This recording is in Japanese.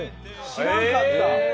知らんかった！